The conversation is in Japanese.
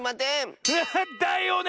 だよね！